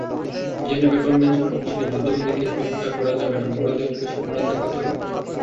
Geneva convention অনুসারে যুদ্ধবন্দীকে হত্যা করা যাবে না, মরদেহকে সম্মান দেখাতে হবে।